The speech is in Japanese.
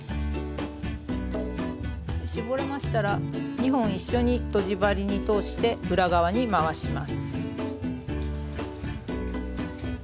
絞れましたら２本一緒にとじ針に通して裏側に回します。